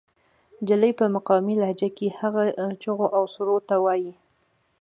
جلۍ پۀ مقامي لهجه کښې هغه چغو او سُورو ته وائي